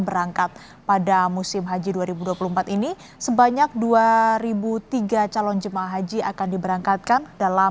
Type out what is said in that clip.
berangkat pada musim haji dua ribu dua puluh empat ini sebanyak dua ribu tiga calon jemaah haji akan diberangkatkan dalam